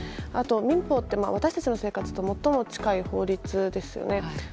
あと民法って私たちの生活と最も近い法律ですよね。